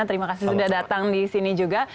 terima kasih sudah datang di sini juga